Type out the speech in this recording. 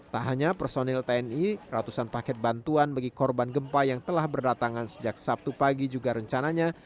tak hanya personil tni ratusan paket bantuan bagi korban gempa yang telah berdatangan sejak sabtu pagi juga rencananya